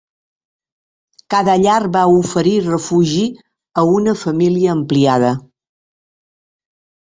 Cada llar va oferir refugi a una família ampliada.